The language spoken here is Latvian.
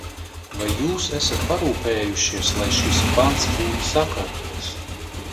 Vai jūs esat parūpējušies, lai šis pants būtu sakārtots?